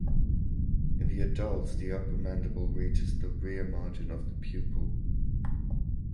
In the adults the upper mandible reaches the rear margin of the pupil.